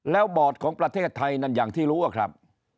แล้วบอร์ดของประเทศไทยนั่นอย่างที่รู้อะครับ